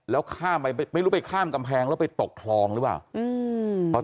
แล้วข้ามไปไม่รู้ไปข้ามกำแพงแล้วไปตกคลองหรือเปล่า